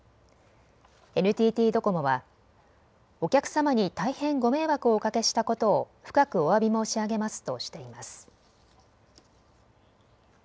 ＮＴＴドコモはお客様に大変ご迷惑をおかけしたことを深くおわび申し上げますとしています。